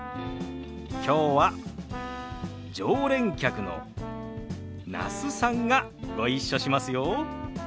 きょうは常連客の那須さんがご一緒しますよ。